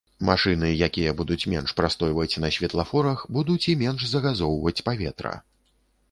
Машыны, якія будуць менш прастойваць на светлафорах, будуць і менш загазоўваць паветра.